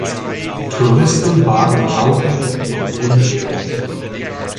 Touristen bargen Tausende von Pfund mehr.